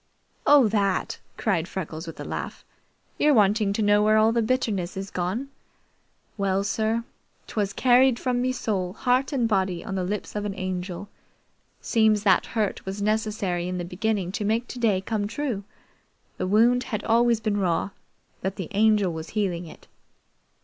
"Oh, that!" cried Freckles with a laugh. "You're wanting to know where all the bitterness is gone? Well sir, 'twas carried from me soul, heart, and body on the lips of an Angel. Seems that hurt was necessary in the beginning to make today come true. The wound had always been raw, but the Angel was healing it.